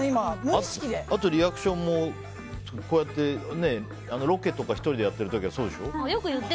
あとリアクションもこうやってロケとか１人でやっている時はそうでしょ。